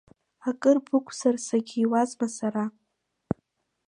Акыр бықәзар, сагьиуазма сара?